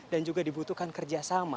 dan juga dibutuhkan kerjasama